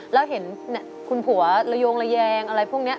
แล้วเห็นคุณผัวระโยงระแยงอะไรพวกนี้